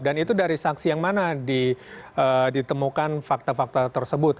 itu dari saksi yang mana ditemukan fakta fakta tersebut